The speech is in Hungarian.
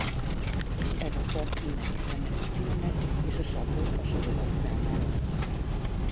Ez adta a címet is ennek a filmnek és a sablont a sorozat számára.